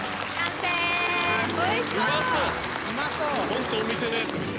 ホントお店のやつみたい。